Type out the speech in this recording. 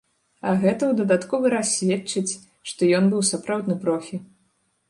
А гэта ў дадатковы раз сведчыць, што ён быў сапраўдны профі.